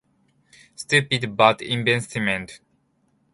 Stupid, bad investments.